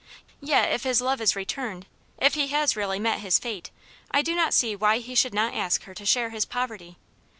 Yet, if his love is returned, if he has really met his fate, I do not see why he should not ask her to share his poverty.